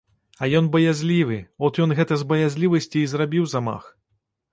А ён баязлівы, от ён гэта з баязлівасці і зрабіў замах.